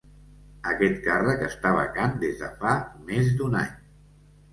Aquest càrrec està vacant des de fa més d’un any.